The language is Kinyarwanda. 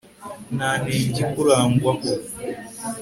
nta nenge ikurangwaho